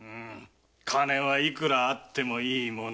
金いくらあってもいいものじゃ。